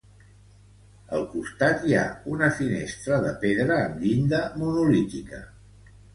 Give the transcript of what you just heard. Al costat, hi ha una finestra de pedra amb llinda monolítica.